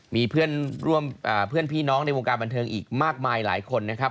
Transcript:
มีเพื่อนร่วมเพื่อนพี่น้องในวงการบันเทิงอีกมากมายหลายคนนะครับ